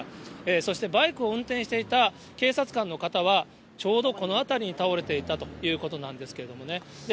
そしてバイクを運転していた警察官の方は、ちょうどこの辺りに倒れていたということなんですけどもね。